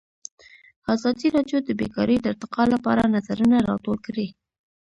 ازادي راډیو د بیکاري د ارتقا لپاره نظرونه راټول کړي.